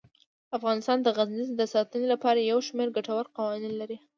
افغانستان د غزني د ساتنې لپاره یو شمیر ګټور قوانین لري.